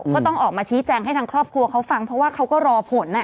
ก็ต้องออกมาชี้แจงให้ทางครอบครัวเขาฟังเพราะว่าเขาก็รอผล